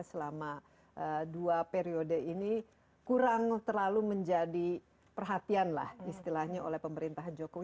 selama dua periode ini kurang terlalu menjadi perhatian lah istilahnya oleh pemerintahan jokowi